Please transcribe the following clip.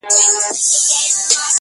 زه دي نه وینم د خپل زړگي پاچا سې!.